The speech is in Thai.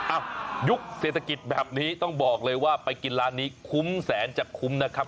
ยุคเศรษฐกิจแบบนี้ต้องบอกเลยว่าไปกินร้านนี้คุ้มแสนจะคุ้มนะครับ